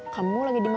kamu lagi diminta